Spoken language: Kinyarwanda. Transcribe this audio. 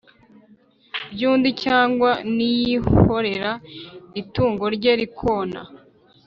By undi cyangwa niyihorera itungo rye rikona